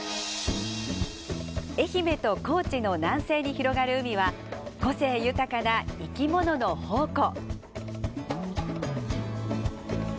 愛媛と高知の南西に広がる海は個性豊かな生き物の宝庫。